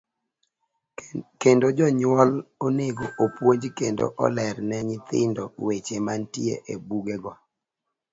Kendo jonyuol onego opuonj kendo oler ne nyithindo weche mantie e buge go.